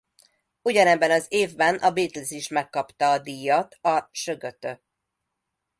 Ugyanebben az évben a Beatles is megkapta a díjat a Sgt.